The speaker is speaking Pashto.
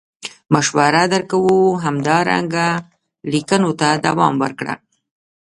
مشوره در کوو همدارنګه لیکنو ته دوام ورکړه.